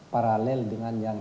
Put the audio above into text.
paralel dengan yang